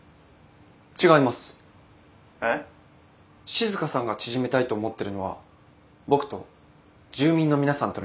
静さんが縮めたいと思ってるのは僕と住民の皆さんとの距離です。